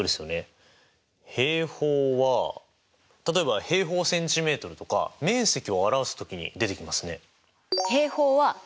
平方は例えば平方センチメートルとか面積を表す時に出てきますね。